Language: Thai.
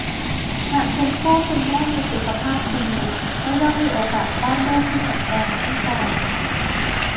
หากคุณพ่อคุณแม่มีสุขภาพดี ก็ย่อมมีโอกาสคลอดลูกที่แข็งแรงเช่นกัน